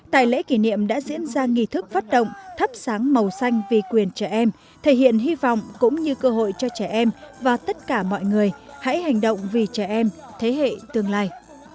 tại lễ kỷ niệm đã diễn ra nghị thức phát động thắp sáng màu xanh vì quyền trẻ em thể hiện hy vọng cũng như cơ hội cho trẻ em và tất cả mọi người hãy hành động vì trẻ em thế hệ tương lai